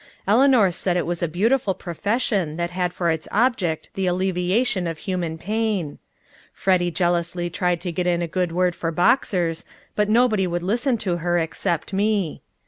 Eleanor said it was a beautiful profession that had for its object the alleviation of human pain. Freddy jealously tried to get in a good word for boxers, but nobody would listen to her except me.